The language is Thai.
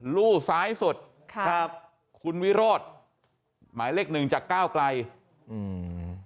ลู่ซ้ายสุดครับครับคุณวิโรธหมายเลขหนึ่งจากก้าวไกลอืม